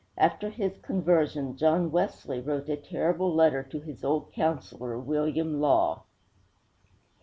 After his conversion John Wesley wrote a terrible letter to his old counselor, William Law.